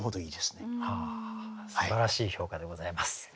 すばらしい評価でございます。